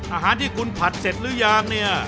อาหารที่คุณผัดเสร็จหรือยังเนี่ย